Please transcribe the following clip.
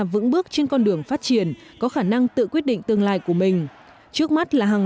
vững bước trên con đường phát triển có khả năng tự quyết định tương lai của mình trước mắt là hàng